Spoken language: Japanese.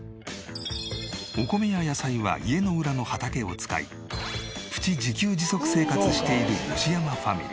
お米や野菜は家の裏の畑を使いプチ自給自足生活している吉山ファミリー。